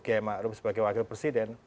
gaya ma'ruf sebagai wakil presiden